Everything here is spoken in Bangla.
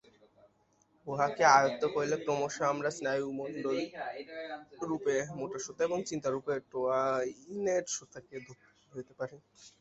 উহাকে আয়ত্ত করিলে ক্রমশ আমরা স্নায়ুমণ্ডলীরূপে মোটা সুতা এবং চিন্তারূপে টোয়াইনের সুতাকে ধরিতে পারি।